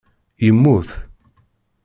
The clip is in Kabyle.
Yemmut.